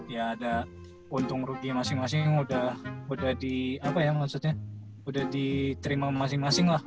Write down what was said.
ya ada untung rugi masing masing udah diterima masing masing lah